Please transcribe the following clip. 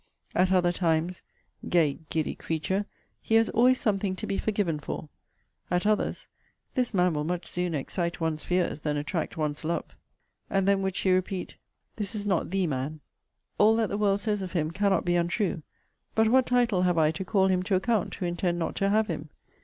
At other times, 'Gay, giddy creature! he has always something to be forgiven for!' At others, 'This man will much sooner excite one's fears than attract one's love.' And then would she repeat, 'This is not THE man. All that the world says of him cannot be untrue. But what title have I to call him to account, who intend not to have him?'